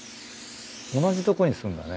同じとこにするんだね。